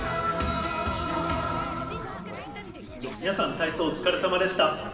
皆さん、体操お疲れさまでした。